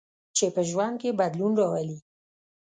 چې په ژوند کې بدلون راولي.